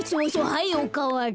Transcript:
はいおかわり。